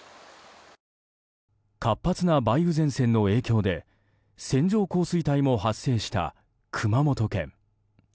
活発な梅雨前線の影響で線状降水帯も発生した熊本県。